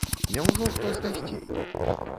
Няўжо хто з гасцей?